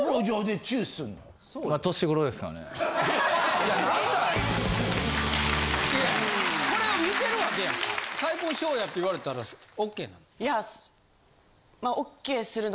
いやこれを見てるわけやから。って言われたらＯＫなの？